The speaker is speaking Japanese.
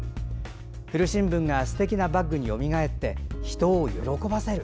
古新聞がすてきなバッグによみがえって、人を喜ばせる。